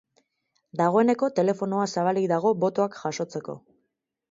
Dagoeneko telefonoa zabalik dago botoak jasotzeko.